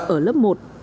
ở lớp một